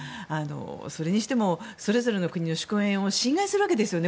それにしても、それぞれの国の主権を侵害するわけですよね。